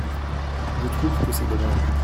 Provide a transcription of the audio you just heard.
Je trouve que c’est dommage.